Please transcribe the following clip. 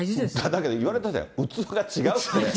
だけど言われたじゃない、器が違うって。